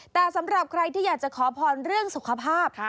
แต่สำหรับใครที่อยากจะขอพรเรื่องสุขภาพ